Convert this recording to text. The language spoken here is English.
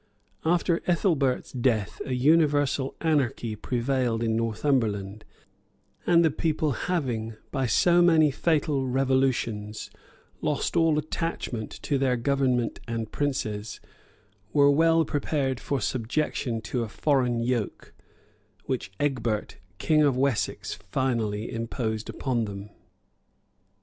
After Ethelbert's death, a universal anarchy prevailed in Northumberland; and the people having, by so many fatal revolutions, lost all attachment to their government and princes, were well prepared for subjection to a foreign yoke; which Egbert, king of Wessex, finally imposed upon them.